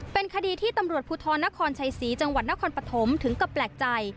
เป็นคดีที่ตำรวจภูทรนครชัยศรีจังหวัดนครปฐมถึงกับแปลกใจ